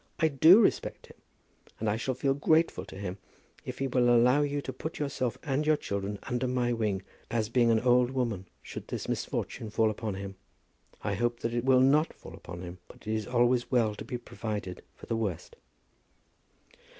I do respect him; and I shall feel grateful to him if he will allow you to put yourself and your children under my wing, as being an old woman, should this misfortune fall upon him. We hope that it will not fall upon him; but it is always well to be provided for the worst."